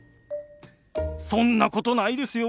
そんなことないですよ。